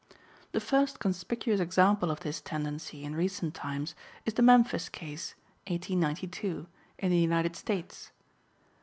The first conspicuous example of this tendency in recent times is the Memphis case (1892) in the United States.